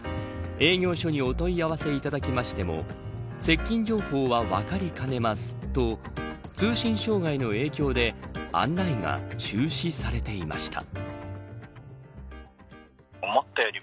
営業所にお問い合わせいただきましても接近情報は分かりかねますと通信障害の影響で案内が中止されていました。